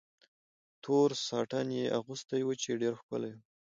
تور ساټن یې اغوستی و، چې ډېر ښکلی و.